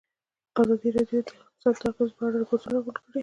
ازادي راډیو د اقتصاد د اغېزو په اړه ریپوټونه راغونډ کړي.